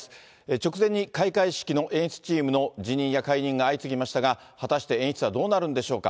直前に開会式の演出チームの辞任や解任が相次ぎましたが、果たして、演出はどうなるんでしょうか。